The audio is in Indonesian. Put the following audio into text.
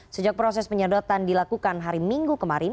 sejak proses penyedotan dilakukan hari minggu kemarin